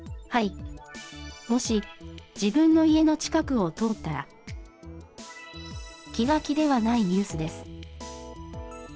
もし自分の家の近くを通ったら、気が気ではないニュースです。